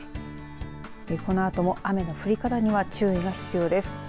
このあとも雨の降り方には注意が必要です。